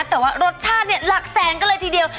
แต่ว่ารสชาติหลักแสงก็เลยทีเดียว